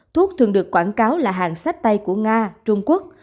thuốc thường được quảng cáo là hàng sách tay của nga trung quốc